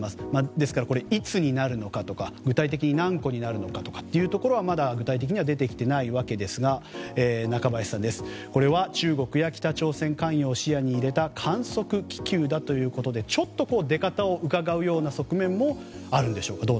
ですからいつになるのかとか具体的に何個になるのかとかはまだ具体的には出てきていないわけですが中林さんによると中国や北朝鮮関与を視野に入れた観測気球だということでちょっと出方をうかがうような側面もあるんでしょうか。